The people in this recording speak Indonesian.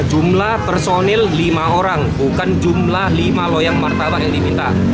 jumlah personil lima orang bukan jumlah lima loyang martabak yang diminta